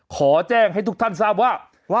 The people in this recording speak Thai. ขอแจ้งให้ทุกท่านทราบว่า